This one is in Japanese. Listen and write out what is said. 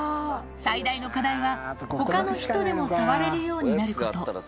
最大の課題は、ほかの人でも触れるようになること。